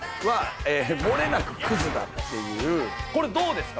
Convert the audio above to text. これどうですか？